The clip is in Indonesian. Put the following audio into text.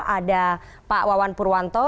ada pak wawan purwanto